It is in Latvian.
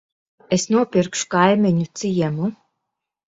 Es nopirkšu kaimiņu ciemu.